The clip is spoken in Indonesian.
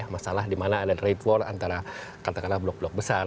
masalah di mana ada rate war antara katakanlah blok blok besar